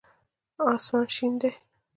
آسمان شين دی.